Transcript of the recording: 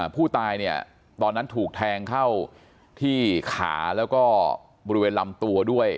ผู้ตายเนี่ยตอนนั้นถูกแทงเข้าที่ขาแล้วก็บริเวณลำตัวด้วย